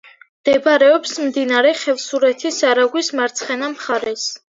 მდებარეობს მდინარე ხევსურეთის არაგვის მარცხენა მხარეს.